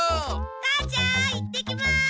母ちゃん行ってきます！